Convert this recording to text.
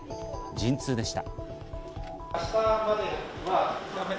陣痛でした。